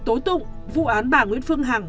tối tụng vụ án bà nguyễn phương hằng